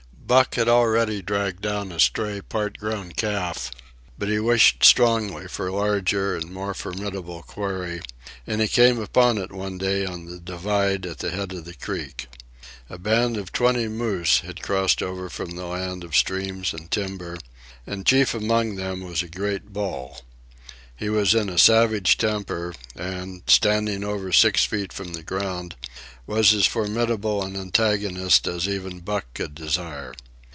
Buck had already dragged down a stray part grown calf; but he wished strongly for larger and more formidable quarry, and he came upon it one day on the divide at the head of the creek. A band of twenty moose had crossed over from the land of streams and timber, and chief among them was a great bull. He was in a savage temper, and, standing over six feet from the ground, was as formidable an antagonist as even Buck could desire.